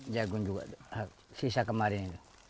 jagung juga sisa kemarin